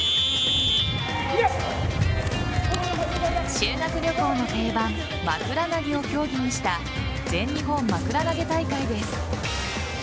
修学旅行の定番枕投げを競技にした全日本まくら投げ大会です。